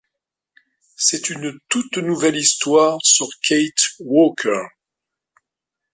C'est une toute nouvelle histoire sur Kate Walker.